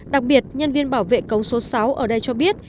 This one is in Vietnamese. đặc biệt nhân viên bảo vệ cống số sáu ở đây cho biết